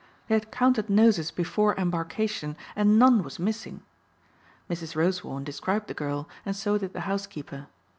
They had counted noses before embarkation and none was missing. Mrs. Rosewarne described the girl and so did the housekeeper.